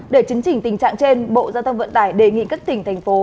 để chấn chỉnh tình trạng trên bộ giao thông vận tải đề nghị các tỉnh thành phố